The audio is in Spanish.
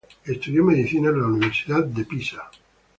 Estudió medicina en la Universidad de Pisa.